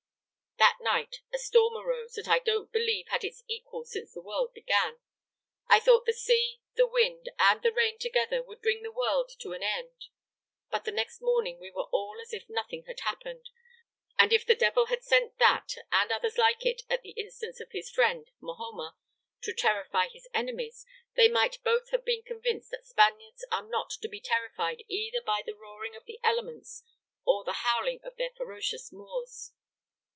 "That night a storm arose that I don't believe had its equal since the world began. I thought the sea, the wind, and the rain together would bring the world to an end. But the next morning we were all as if nothing had happened, and if the devil had sent that, and others like it, at the instance of his friend, Mahoma, to terrify his enemies, they might both have been convinced that Spaniards are not to be terrified either by the roaring of the elements or the howling of their ferocious Moors.